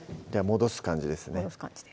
戻す感じですね